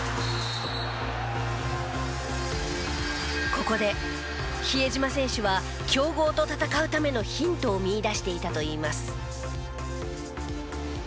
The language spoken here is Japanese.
ここで比江島選手は強豪と戦うためのヒントを見いだしていたといいます。